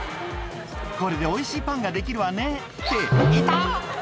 「これでおいしいパンができるわね」って痛っ！